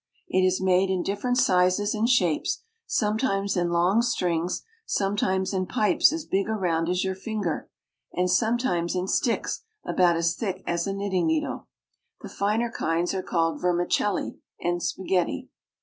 It is made in different sizes and shapes, sometimes in long strings, sometimes in pipes as big around as your finger, and sometimes in sticks about as 420 ITALY. thick as a knitting needle. The finer kinds are called ver micelli and spaghetti.